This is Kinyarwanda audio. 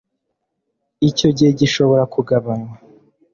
icyo gihe gishobora kugabanywa